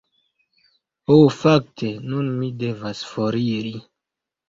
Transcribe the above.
Ho fakte, nun mi devas foriri.